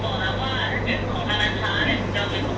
ภูมิภูมิภูมิภูมิภูมิภูมิ